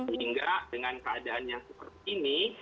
sehingga dengan keadaan yang seperti ini